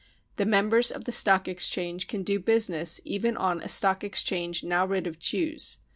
The members of the Stock Exchange can do business even on a " Stock Exchange now rid of Jews."